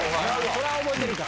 そりゃ覚えてるか。